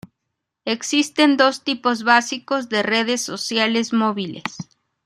Existen dos tipos básicos de redes sociales móviles.